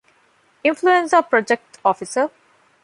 އިންފުލުއެންޒާ ޕްރޮޖެކްޓް އޮފިސަރ